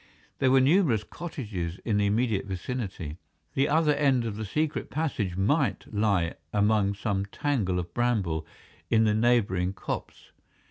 There were numerous cottages in the immediate vicinity. The other end of the secret passage might lie among some tangle of bramble in the neighbouring copse.